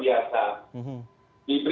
tapi gimana mana orang masih menggunakan masker